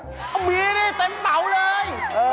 อ้าวมีได้เต็มเป๋าเลย